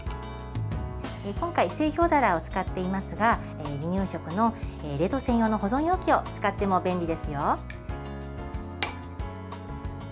今回、製氷皿を使っていますが離乳食の冷凍専用の保存容器を使っても便利ですよ。